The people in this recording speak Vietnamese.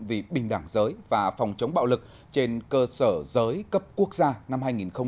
vì bình đẳng giới và phòng chống bạo lực trên cơ sở giới cấp quốc gia năm hai nghìn hai mươi